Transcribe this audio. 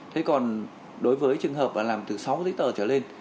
thế còn đối với trường hợp làm từ sáu giấy tờ trở lên